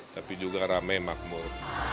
tapi juga ramai makmur